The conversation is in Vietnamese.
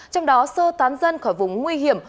trong đó sơ tán dân khỏi vùng nguy hiểm